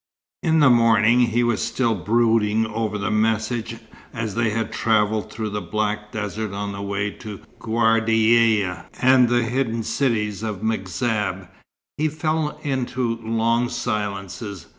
XXX In the morning he was still brooding over the message; and as they travelled through the black desert on the way to Ghardaia and the hidden cities of the M'Zab, he fell into long silences.